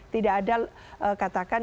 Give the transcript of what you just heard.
tidak ada katakan